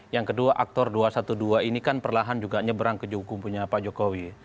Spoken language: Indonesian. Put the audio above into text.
yang kedua aktor dua ratus dua belas ini kan perlahan juga nyeberang keju hukum punya pak jokowi